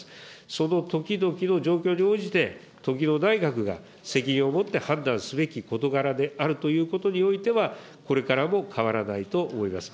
その時々の状況に応じて、時の内閣が責任を持って判断すべき事柄であるということにおいては、これからも変わらないと思います。